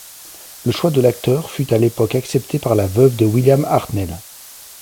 Le choix de l'acteur fut à l'époque accepté par la veuve de William Hartnell.